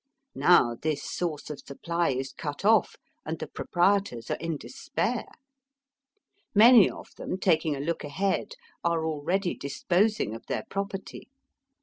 Now this source of supply is cut off, and the proprietors are in despair. Many of them, taking a look ahead, are already disposing of their property.